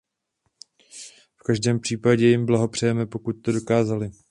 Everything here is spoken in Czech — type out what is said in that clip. V každém případě jim blahopřejme, pokud to dokázali.